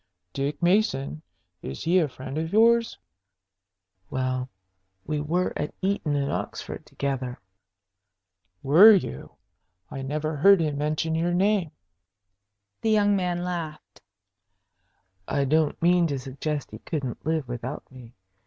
"Dick Mason? Is he a friend of yours?" "Well, we were at Eton and Oxford together." "Were you? I never heard him mention your name." The young man laughed. "I don't mean to suggest he couldn't live without me.